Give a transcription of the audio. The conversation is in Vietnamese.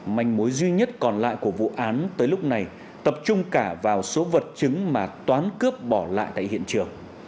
manh mối duy nhất còn lại của vụ án tới lúc này tập trung cả vào số vật chứng mà toán cướp bỏ lại tại hiện trường